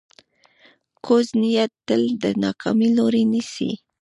کوږ نیت تل د ناکامۍ لوری نیسي